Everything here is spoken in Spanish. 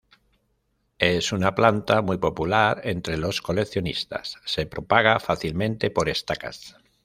Es una planta muy popular entre los coleccionistas, se propaga fácilmente por estacas.